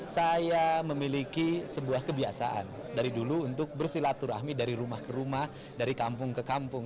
saya memiliki sebuah kebiasaan dari dulu untuk bersilaturahmi dari rumah ke rumah dari kampung ke kampung